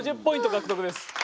５０ポイント獲得です。